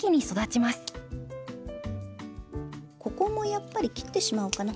ここもやっぱり切ってしまおうかな。